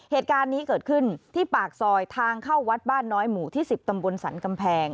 เหตุการณ์นี้เกิดขึ้นที่ปากซอยทางเข้าวัดบ้านน้อยหมู่ที่๑๐ตำบลสรรกำแพง